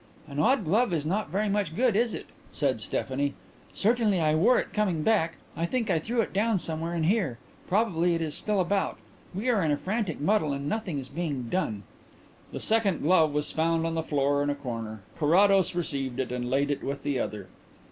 "An odd glove is not very much good, is it?" said Stephanie. "Certainly I wore it coming back. I think I threw it down somewhere in here. Probably it is still about. We are in a frantic muddle and nothing is being done." The second glove was found on the floor in a corner. Carrados received it and laid it with the other.